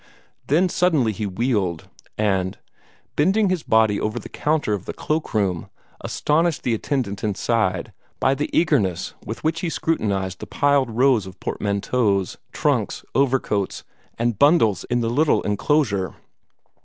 Then suddenly he wheeled, and, bending his body over the counter of the cloak room, astonished the attendant inside by the eagerness with which he scrutinized the piled rows of portmanteaus, trunks, overcoats, and bundles in the little enclosure.